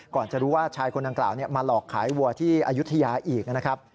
จะรู้ว่าชายคนดังกล่าวมาหลอกขายวัวที่อายุทยาอีกนะครับ